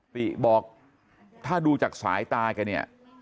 ติกิติศักดิ์บอกถ้าดูจากสายตากันเนี่ย